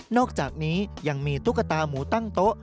อกจากนี้ยังมีตุ๊กตาหมูตั้งโต๊ะ